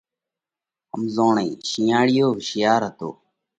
ۿزموڻئِي شِينئاۯِيو هوشِيار هتو۔